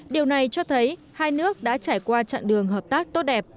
điều này cho thấy hai nước đã trải qua chặng đường hợp tác tốt đẹp